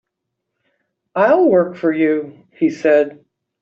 "I'll work for you," he said.